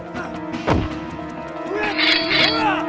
sable smokesamer sekalipun